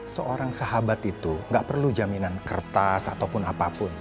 seorang sahabat itu gak perlu jaminan kertas ataupun apapun